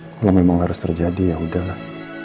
kalau memang harus terjadi ya udahlah